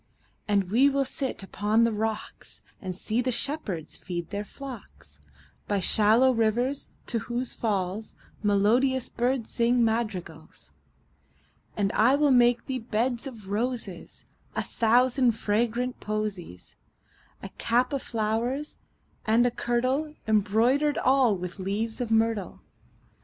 And we will sit upon the rocks, 5 And see the shepherds feed their flocks By shallow rivers, to whose falls Melodious birds sing madrigals. And I will make thee beds of roses And a thousand fragrant posies; 10 A cap of flowers, and a kirtle Embroider'd all with leaves of myrtle.